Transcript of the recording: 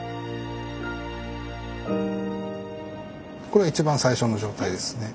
これが一番最初の状態ですね。